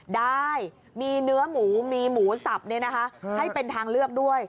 ได้มีเนื้อหมูมีหมูสับให้เป็นทางเลือกด้วย